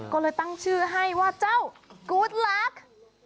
ก็เลยตั้งชื่อให้ว่าเจ้ากู๊ดลักษณ์